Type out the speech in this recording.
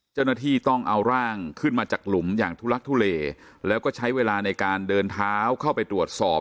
เจ้าหน้าที่ต้องเอาร่างขึ้นมาจากหลุมอย่างทุลักทุเลแล้วก็ใช้เวลาในการเดินเท้าเข้าไปตรวจสอบ